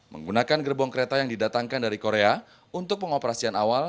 menggunakan gerbong kereta yang didatangkan dari korea untuk pengoperasian awal